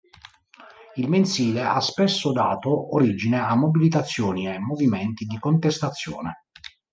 Il mensile ha spesso dato origine a mobilitazioni e movimenti di contestazione.